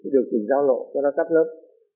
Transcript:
được chỉnh giao lộ cho nó tắt lớn